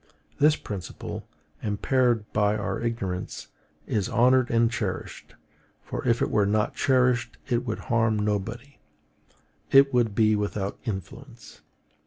This principle, impaired by our ignorance, is honored and cherished; for if it were not cherished it would harm nobody, it would be without influence.